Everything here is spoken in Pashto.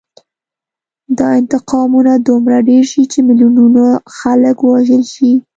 دا انتقامونه دومره ډېر شي چې میلیونونه خلک ووژل شي